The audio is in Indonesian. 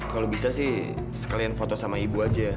kalau bisa sih sekalian foto sama ibu aja